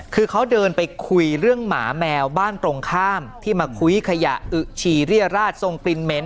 คือเขาเดินไปคุยเรื่องหมาแมวบ้านตรงข้ามที่มาคุยขยะอึชีเรียราชทรงกลิ่นเหม็น